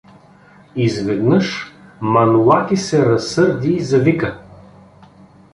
Изведнъж Манолаки се разсърди и завика.